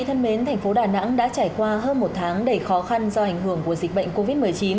thân mến thành phố đà nẵng đã trải qua hơn một tháng đầy khó khăn do ảnh hưởng của dịch bệnh covid một mươi chín